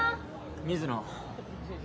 水野。